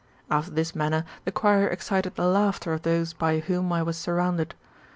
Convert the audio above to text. After this manner the criec excited the laughter of those by whom I was surrounded.